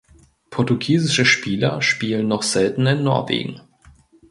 Portugiesische Spieler spielen noch seltener in Norwegen.